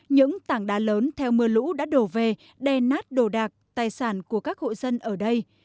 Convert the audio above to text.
những tảng đá lớn theo mưa lũ đã đổ về đè nát đồ đạc tài sản của các hộ dân ở đây